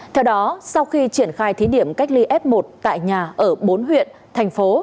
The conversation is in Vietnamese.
theo đó sau khi triển khai thí điểm cách ly f một tại nhà ở bốn huyện thành phố